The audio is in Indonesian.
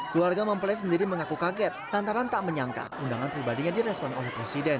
keluarga mempelai sendiri mengaku kaget lantaran tak menyangka undangan pribadinya direspon oleh presiden